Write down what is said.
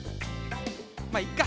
まいっか。